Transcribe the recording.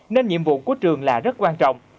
nên nhiệm vụ của trường là rất quan trọng